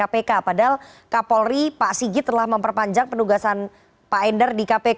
padahal kapolri pak sigit telah memperpanjang penugasan pak endar di kpk